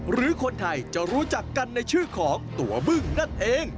หรือคนไทยจะรู้จักกันในชื่อของตัวบึ้งนั่นเอง